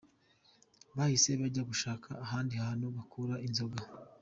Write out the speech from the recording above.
Bahise bajya gushaka ahandi hantu bakura inzoga.